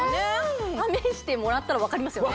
試してもらったら分かりますよね？